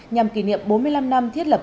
nhằm kỷ niệm bốn mươi năm năm thiết lập